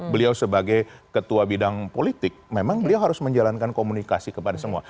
beliau sebagai ketua bidang politik memang beliau harus menjalankan komunikasi kepada semua